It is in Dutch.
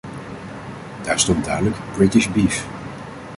Daar stond duidelijk "British beef".